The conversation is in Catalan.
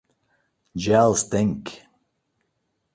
Ja els tinc!